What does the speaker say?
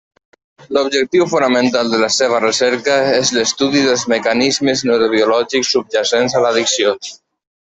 L'objectiu fonamental de la seva recerca és l'estudi dels mecanismes neurobiològics subjacents a l'addicció.